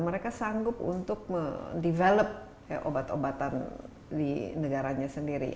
mereka sanggup untuk develop obat obatan di negaranya sendiri